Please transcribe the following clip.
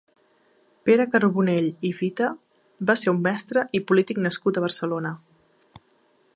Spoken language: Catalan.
Pere Carbonell i Fita va ser un mestre i polític nascut a Barcelona.